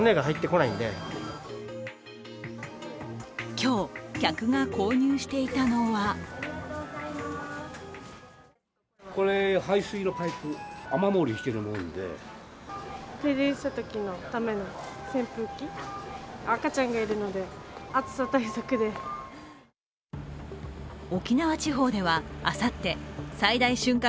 今日、客が購入していたのは沖縄地方ではあさって最大瞬間